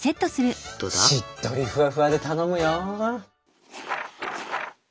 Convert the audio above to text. しっとりふわふわで頼むよ。